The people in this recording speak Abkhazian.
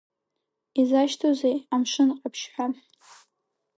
Изашьҭоузеи Амшын ҟаԥшь ҳәа?